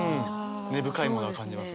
根深いものは感じますね。